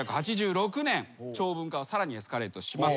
長文化はさらにエスカレートします。